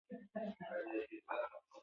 زلزله جوړه شوه او زه په ځمکه ولوېدم